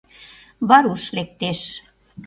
Варуш лектеш.